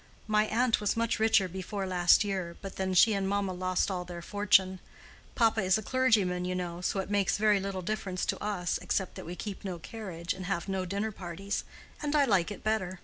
My aunt was much richer before last year, but then she and mamma lost all their fortune. Papa is a clergyman, you know, so it makes very little difference to us, except that we keep no carriage, and have no dinner parties—and I like it better.